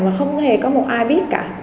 và không thể có một ai biết cả